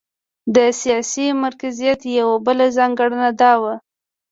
د سیاسي مرکزیت یوه بله ځانګړنه دا وه.